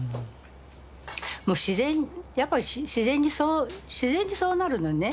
もう自然やっぱり自然にそう自然にそうなるのね。